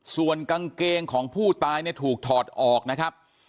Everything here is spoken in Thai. ส่วนกางเกงของผู้ตายเนี่ยถูกถอดออกนะครับ